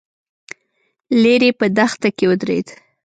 ليرې په دښته کې ودرېد.